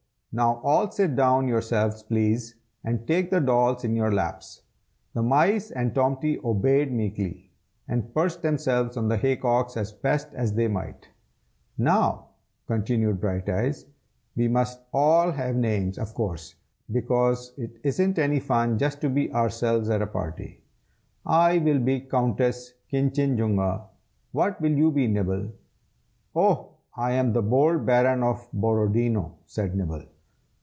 now all sit down yourselves, please, and take the dolls in your laps." The mice and Tomty obeyed meekly, and perched themselves on the hay cocks as best they might. "Now," continued Brighteyes, "we must all have names, of course, because it isn't any fun just to be ourselves at a party. I will be the Countess Kinchinjunga. What will you be, Nibble!" "Oh! I am the Bold Baron of Borodino," said Nibble.